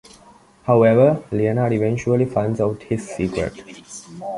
However, Leonard eventually finds out his secret.